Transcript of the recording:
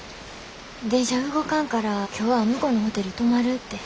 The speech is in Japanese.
電車動かんから今日は向こうのホテル泊まるって。